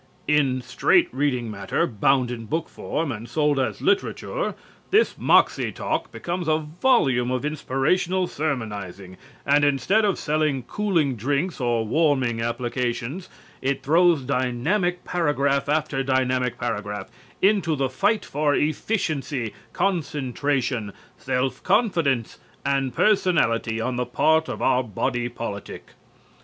In straight reading matter, bound in book form and sold as literature, this Moxie talk becomes a volume of inspirational sermonizing, and instead of selling cooling drinks or warming applications, it throws dynamic paragraph after dynamic paragraph into the fight for efficiency, concentration, self confidence and personality on the part of our body politic.